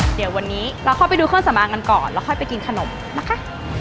เดี๋ยววันนี้เราเข้าไปดูเครื่องสำอางกันก่อนแล้วค่อยไปกินขนมนะคะ